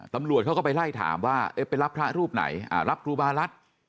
ตำรวจเขาก็ไปไล่ถามว่าไปรับพระรูปไหนรับครูบารัฐ